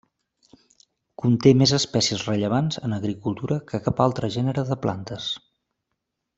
Conté més espècies rellevants en agricultura que cap altre gènere de plantes.